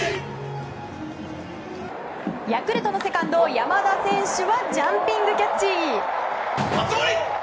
ヤクルトのセカンド山田選手はジャンピングキャッチ！